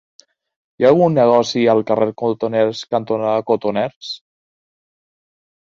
Hi ha algun negoci al carrer Cotoners cantonada Cotoners?